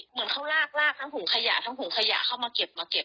เหมือนเขารากทั้งถุงขยะเข้ามาเก็บอะ